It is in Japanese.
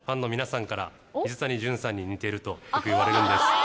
実は、ファンの皆さんから、水谷隼さんに似ているとよく言われるんです。